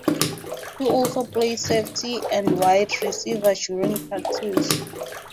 He also played safety and wide receiver during practice.